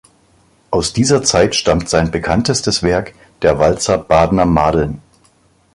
Aus dieser Zeit stammt sein bekanntestes Werk, der Walzer "Bad’ner Mad’ln".